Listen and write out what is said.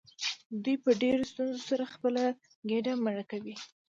دوی په ډیرو ستونزو سره خپله ګیډه مړه کوي.